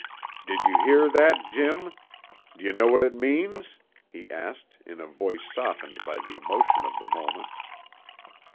"Did you hear that, Jim? D'you know what it means?" he asked, in a voice softened by the emotion of the moment.